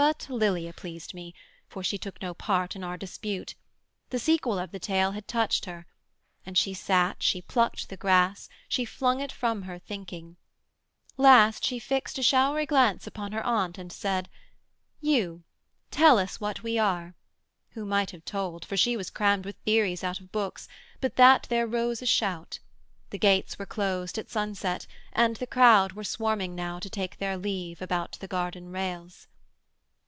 But Lilia pleased me, for she took no part In our dispute: the sequel of the tale Had touched her; and she sat, she plucked the grass, She flung it from her, thinking: last, she fixt A showery glance upon her aunt, and said, 'You tell us what we are' who might have told, For she was crammed with theories out of books, But that there rose a shout: the gates were closed At sunset, and the crowd were swarming now, To take their leave, about the garden rails.